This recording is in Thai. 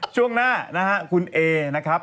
ช่วงหน้านะฮะคุณเอนะครับ